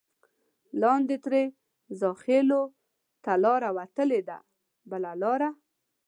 لاندې ترې زاخېلو ته لاره وتې ده بله لاره.